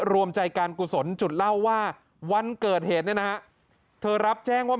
รวมใจการกุศลจุดเล่าว่าวันเกิดเหตุเนี่ยนะฮะเธอรับแจ้งว่า